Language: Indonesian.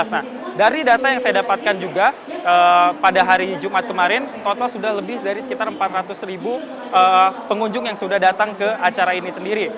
nah dari data yang saya dapatkan juga pada hari jumat kemarin total sudah lebih dari sekitar empat ratus ribu pengunjung yang sudah datang ke acara ini sendiri